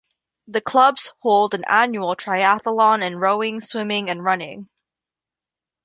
The clubs hold an annual triathlon in rowing, swimming, and running.